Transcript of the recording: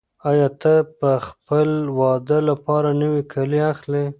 آیا ته د خپل واده لپاره نوي کالي اخلې؟